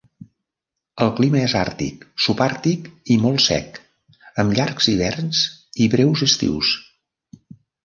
El clima és àrtic, subàrtic i molt sec, amb llargs hiverns i breus estius.